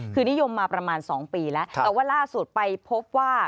คือนิยมมาประมาณ๒ปีแล้วแต่ว่าล่าสุดไปพบว่า